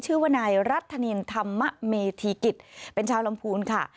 ชื่อว่านายรัฐนินธรรมเมธีกิจเป็นชาวลำพูนค่ะ